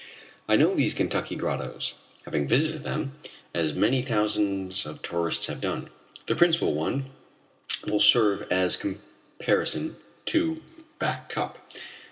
I know these Kentucky grottoes, having visited them, as many thousands of tourists have done. The principal one will serve as a comparison to Back Cup.